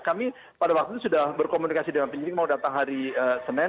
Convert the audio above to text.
kami pada waktu itu sudah berkomunikasi dengan penyidik mau datang hari senin